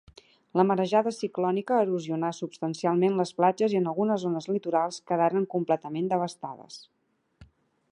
La marejada ciclònica erosionà substancialment les platges i en algunes zones litorals quedaren completament devastades.